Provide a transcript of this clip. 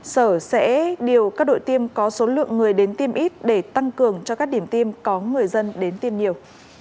sở sẽ điều các đội tiêm có số lượng người đến tiêm ít để tăng cường cho các điểm tiêm có người dân đến tiêm nhiều